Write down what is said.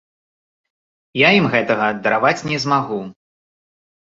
Я ім гэтага дараваць не змагу.